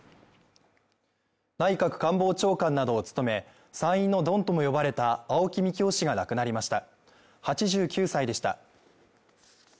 内閣官房長官などを務め参院のドンとも呼ばれた青木幹雄氏が亡くなりました。